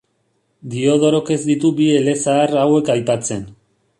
Diodorok ez ditu bi elezahar hauek aipatzen.